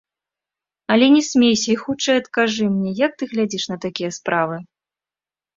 Але не смейся і хутчэй адкажы мне, як ты глядзіш на такія справы.